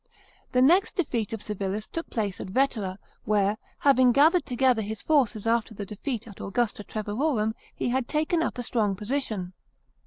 The next defeat of Civilis took place at Vetera, where, having gathered together his forces after the defeat at Augusta Treverorum, he had taken up a strong position.